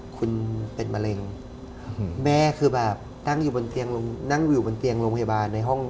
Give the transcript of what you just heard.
คุณเป็นมะเร็งแม่คือแบบนั่งอยู่บนเตียงโรงพยาบาลในห้อง